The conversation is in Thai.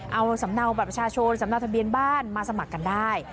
เอาสำเนาบัตรประชาชนสำเนาทะเบียนบ้านมาสมัครกันได้